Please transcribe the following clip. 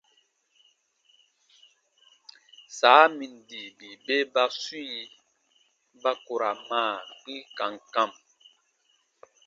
Saa min di bii bè ba swĩi ba k u ra maa gbi kam kam.